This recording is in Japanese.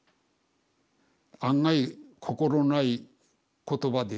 案外心ない言葉で。